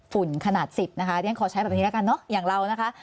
ฝุ่นขนาด๑๐นะคะเรียนขอใช้แบบนี้แล้วกันเนอะอย่างเรานะคะ